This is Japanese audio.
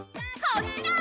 こっちだ！